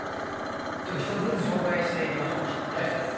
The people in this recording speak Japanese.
ちょっと一つずつ紹介していきましょうかお願いします！